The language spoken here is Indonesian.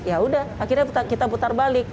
ya udah akhirnya kita putar balik